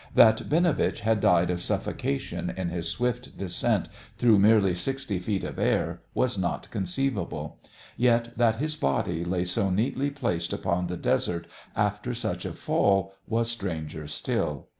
That Binovitch had died of suffocation in his swift descent through merely sixty feet of air was not conceivable; yet that his body lay so neatly placed upon the desert after such a fall was stranger still.